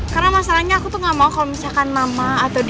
karena masalahnya aku tuh gak mau kalau misalkan mama atau diego tuh tau